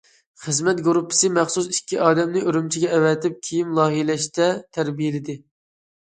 خىزمەت گۇرۇپپىسى مەخسۇس ئىككى ئادەمنى ئۈرۈمچىگە ئەۋەتىپ كىيىم لايىھەلەشتە تەربىيەلىدى.